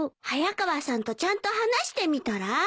早川さんとちゃんと話してみたら？